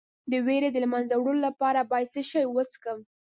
د ویرې د له منځه وړلو لپاره باید څه شی وڅښم؟